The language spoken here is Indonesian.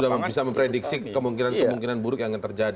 dan anda sudah bisa memprediksi kemungkinan kemungkinan buruk yang akan terjadi